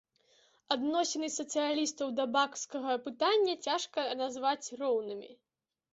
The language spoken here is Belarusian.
Адносіны сацыялістаў да баскскага пытання цяжка назваць роўнымі.